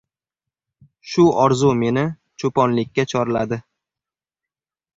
Shu orzu meni cho‘ponlikka chorladi.